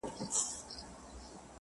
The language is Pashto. د پردیو ملایانو له آذانه یمه ستړی-